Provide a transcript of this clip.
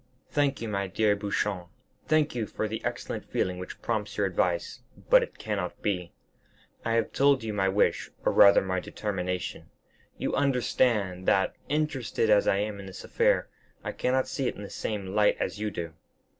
"Thank you, my dear Beauchamp, thank you for the excellent feeling which prompts your advice; but it cannot be. I have told you my wish, or rather my determination. You understand that, interested as I am in this affair, I cannot see it in the same light as you do.